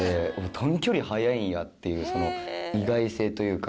短距離、速いんやっていう意外性というか